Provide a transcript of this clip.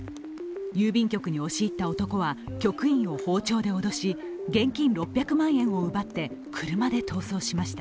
郵便局に押し入った男は局員を包丁で脅し、現金６００万円を奪って車で逃走しました。